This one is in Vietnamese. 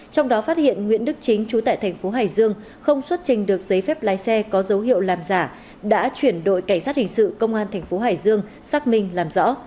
trong đó phát hiện nguyễn đức chính chú tại thành phố hải dương không xuất trình được giấy phép lái xe có dấu hiệu làm giả đã chuyển đội cảnh sát hình sự công an thành phố hải dương xác minh làm rõ